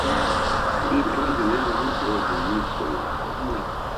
Todo o indivíduo tem direito a ter uma nacionalidade.